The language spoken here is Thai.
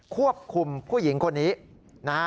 ควบคุมผู้หญิงคนนี้